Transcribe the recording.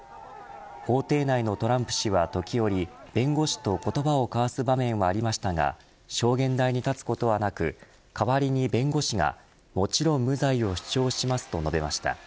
法廷内のトランプ氏は、時折弁護士と言葉を交わす場面はありましたが証言台に立つことはなく代わりに弁護士がもちろん無罪を主張しますと述べました。